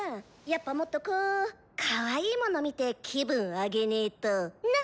やっぱもっとこうかわいいもの見て気分上げねーとな。